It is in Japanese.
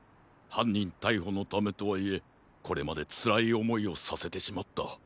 はんにんたいほのためとはいえこれまでつらいおもいをさせてしまった。